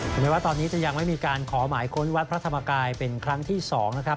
ถึงแม้ว่าตอนนี้จะยังไม่มีการขอหมายค้นวัดพระธรรมกายเป็นครั้งที่๒นะครับ